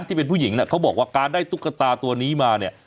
ที่เป็นผู้หญิงเนี่ยเขาบอกว่าการได้ตุ๊กตาตัวนี้มาเนี่ย